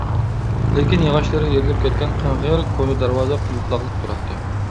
لېكىن ياغاچلىرى يېرىلىپ كەتكەن قىڭغىر كونا دەرۋازا قۇلۇپلاقلىق تۇراتتى.